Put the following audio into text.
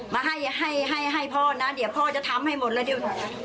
มาให้ให้พ่อนะเดี๋ยวพ่อจะทำให้หมดแล้วดิว